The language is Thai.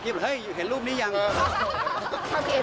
ใครจะคิดว่าเอาคลองสบู่ไปแปะสบู่แต่ละส่วน